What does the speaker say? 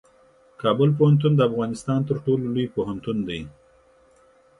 کابل پوهنتون د افغانستان تر ټولو لوی پوهنتون دی.